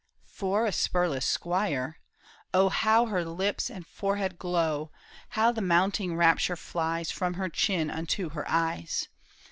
For a spurless squire ! oh How her lips and forehead glow ! How the mounting rapture flies From her chin unto her eyes